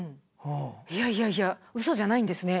いやいやいやうそじゃないんですね。